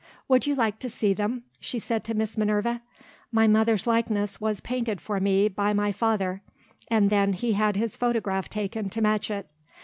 "Would you like to see them?" she said to Miss Minerva. "My mother's likeness was painted for me by my father; and then he had his photograph taken to match it.